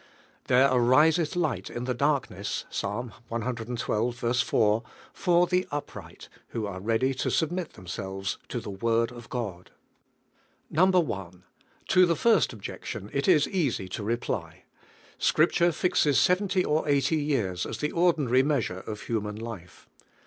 "There ariseth light in the darkness" (I's. exoi. 4), for the ■"upright" who are ready to submit them ■lvea to the Word 'if Mod. DIV1NB HEALim 1. To the first objection it is easy to re ply. Scripture fixes seventy or eighty yeans as the ordinary measure of human life.